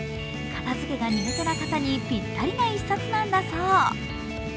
片づけが苦手な方にピッタリな一冊なんだそう。